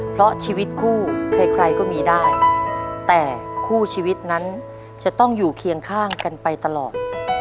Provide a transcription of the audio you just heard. เพราะชีวิตคู่ใครใครก็มีได้แต่คู่ชีวิตนั้นจะต้องอยู่เคียงข้างกันไปตลอด